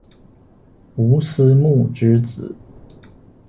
吴思穆之子。